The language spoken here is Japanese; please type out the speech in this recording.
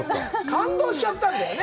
感動しちゃったんだよね。